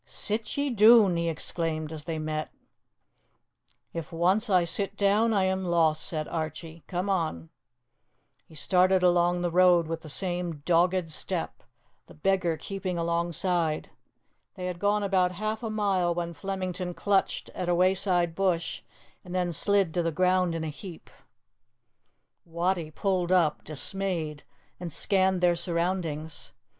"Sit ye doon," he exclaimed, as they met. "If once I sit down I am lost," said Archie. "Come on." He started along the road with the same dogged step, the beggar keeping alongside. They had gone about half a mile when Flemington clutched at a wayside bush and then slid to the ground in a heap. Wattie pulled up, dismayed, and scanned their surroundings.